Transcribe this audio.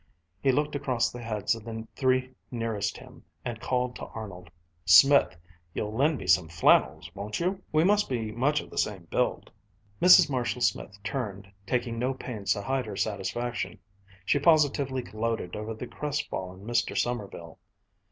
He looked across the heads of the three nearest him and called to Arnold: "Smith, you'll lend me some flannels, won't you? We must be much of the same build." Mrs. Marshall Smith turned, taking no pains to hide her satisfaction. She positively gloated over the crestfallen Mr. Sommerville.